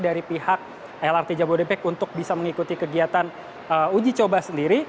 dari pihak lrt jabodebek untuk bisa mengikuti kegiatan uji coba sendiri